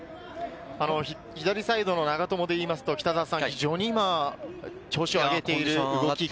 左サイドの長友でいいますと、非常に今、調子を上げている。